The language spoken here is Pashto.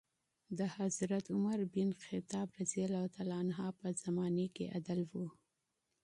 د حضرت عمر بن خطاب په زمانې کي عدل و.